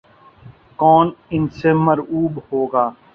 کون ان سے مرعوب ہوگا۔